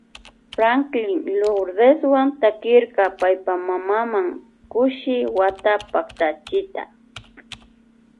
Franklin Lourdes takirka paypa mamama Kushi wata paktachita.